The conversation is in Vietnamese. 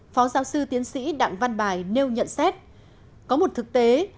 phó giáo sư tiến sĩ đặng văn bài nêu nhận xét